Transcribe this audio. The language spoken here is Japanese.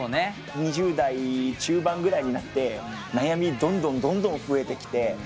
２０代中盤ぐらいになって悩みどんどんどんどん増えてきて。